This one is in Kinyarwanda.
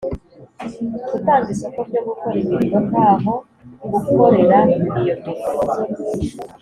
gutanga isoko ryo gukora imirimo ntaho gukorera iyo mirimo